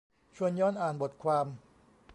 ชวนย้อนอ่านบทความ